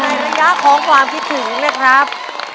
ระยะของความคิดถึงนะครับ